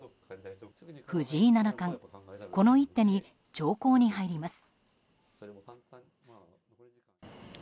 藤井七冠、この一手に長考に入ります。